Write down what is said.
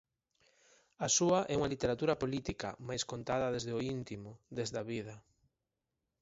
A súa é unha literatura política, mais contada desde o íntimo, desde a vida.